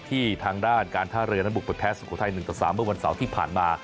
ที่ทางด้านการท่าเรือนันบุกปฏแพ้สุขภาคไทย๑๓เมื่อวันเสาร์ที่ผ่านมา